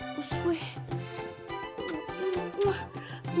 oh kepus gue